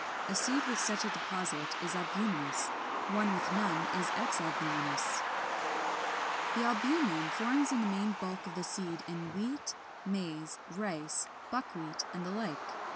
A seed with such a deposit is albuminous, one with none is exalbuminous. 32. The ALBUMEN forms the main bulk of the seed in wheat, maize, rice, buckwheat, and the like.